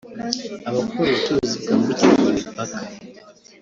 Abakora ubucuruzi bwambukiranya imipaka